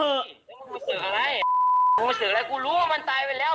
มึงมึงสึกอะไรมึงมึงสึกอะไรกูรู้ว่ามันตายไปแล้ว